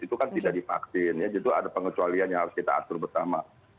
itu kan tidak divaksin ya justru ada pengecualian yang harus kita atur bersama